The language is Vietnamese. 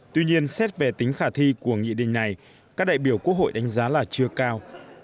tuy nhiên xét về tính khả thi của nghị định này các đại biểu quốc hội đánh giá là chưa cao